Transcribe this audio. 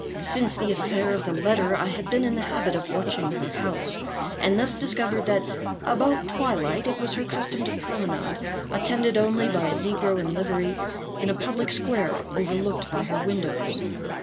Since the affair of the letter, I had been in the habit of watching her house, and thus discovered that, about twilight, it was her custom to promenade, attended only by a negro in livery, in a public square overlooked by her windows.